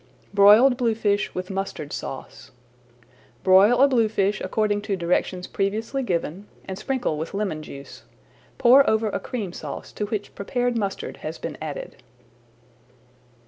BROILED BLUEFISH WITH MUSTARD SAUCE Broil a bluefish according to directions previously given, and sprinkle with lemon juice. Pour over a Cream Sauce to which prepared mustard has been added.